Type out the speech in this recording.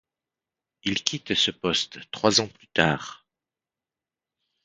Il quitte ce poste trois ans plus tard.